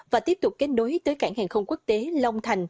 và tiếp tục kết nối tới cảng hàng không quốc tế long thành